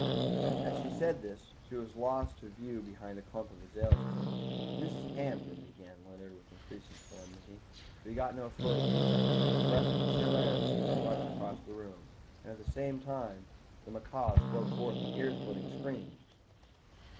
As she said this she was lost to view behind a clump of azaleas. "Mrs. Hampton—" began Leonard with increased solemnity, but he got no further. A breath of chill air seemed to rush across the room, and at the same time the macaws broke forth into ear splitting screams.